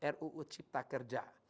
ruu cipta kerja